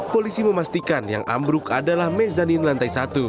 polisi memastikan yang ambruk adalah mezanin lantai satu